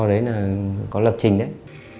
đấy là có lập trình đấy